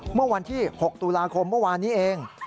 เมื่อวันที่๖ตุลาคมเมื่อวานนี้เอง